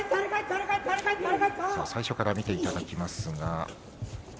最初から見ていただきます。